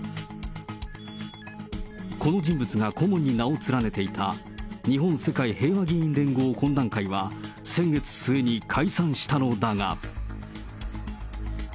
この人物が顧問に名を連ねていた日本・世界平和議員連合懇談会は、先月末に解散したのだが。